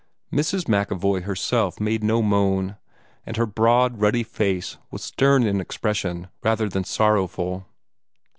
Mrs. MacEvoy herself made no moan, and her broad ruddy face was stern in expression rather than sorrowful.